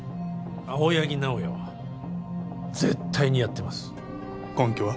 青柳直哉は絶対にやってます根拠は？